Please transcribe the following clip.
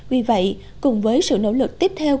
vì vậy cùng với sự nỗ lực tiếp theo